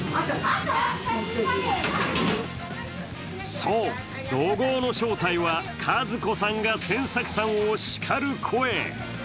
そう、怒号の正体は和子さんが仙作さんを叱る声。